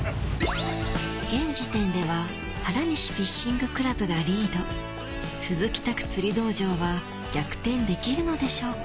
現時点では原西フィッシングクラブがリード鈴木拓釣り道場は逆転できるのでしょうか？